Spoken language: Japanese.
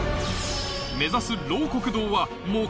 目指す